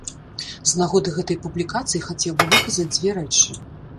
З нагоды гэтай публікацыі хацеў бы выказаць дзве рэчы.